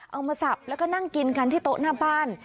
มาสับแล้วก็นั่งกินกันที่โต๊ะหน้าบ้าน